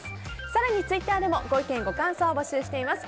更に、ツイッターでもご意見、ご感想を募集しています。